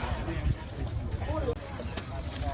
สวัสดีครับคุณผู้ชาย